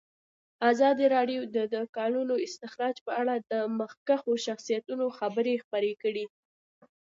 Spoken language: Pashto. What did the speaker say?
ازادي راډیو د د کانونو استخراج په اړه د مخکښو شخصیتونو خبرې خپرې کړي.